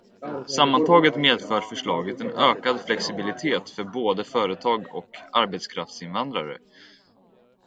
Sammantaget medför förslaget en ökad flexibilitet för både företag och arbetskraftsinvandrare.